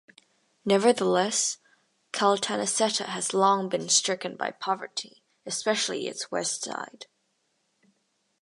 Nevertheless, Caltanisetta has long been stricken by poverty, especially its West side.